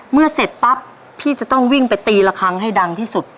เสร็จปั๊บพี่จะต้องวิ่งไปตีละครั้งให้ดังที่สุด